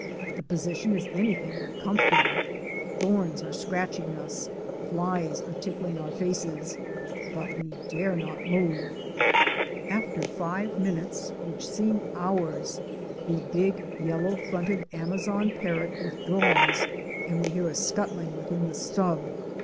The position is anything but comfortable; thorns are scratching us, flies are tickling our faces, but we rey Fic. 36. AMAZON PARROT ABOUT TO TAKE FLIGHT. dare not move. After five minutes, which seem hours, the big Yellow fronted Amazon Parrot "! withdraws, and we hear a scuttling within the stub.